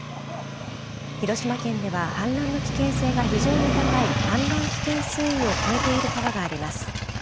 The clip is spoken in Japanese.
広島県では、氾濫の危険性が非常に高い氾濫危険水位を超えている川があります。